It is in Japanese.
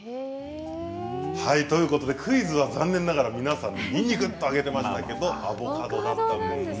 はいということでクイズは残念ながら皆さんにんにくと上げてましたけどアボカドだったんですね。